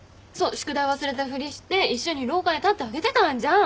宿題忘れたふりして一緒に廊下に立ってあげてたんじゃん。